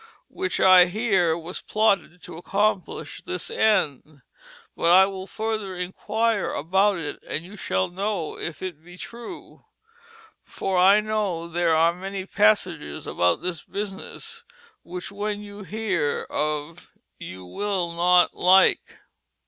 Which I heare was plotted to accomplish this end; but I will further enquire about it, and you shall know if it be true, ffor I know there are many passages about this busniss which when you heare of you will not like."